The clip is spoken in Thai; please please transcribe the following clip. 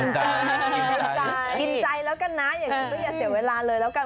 กินใจแล้วกันนะอย่าเสียเวลาเลยแล้วกัน